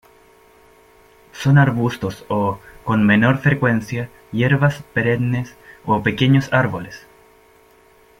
Son arbustos o, con menor frecuencia, hierbas perennes o pequeños árboles.